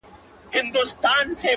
یو کارګه وو څه پنیر یې وو غلا کړی-